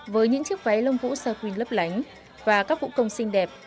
với những chiếc váy lông vũ sà quỳnh lấp lánh và các vũ công xinh đẹp